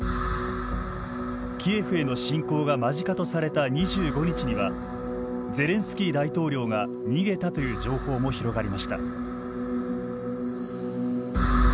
キエフへの侵攻が間近とされた２５日にはゼレンスキー大統領が逃げたという情報も広がりました。